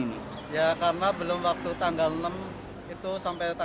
iya emang saja